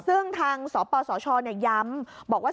ซึ่งทางสปสชย้ำบอกว่า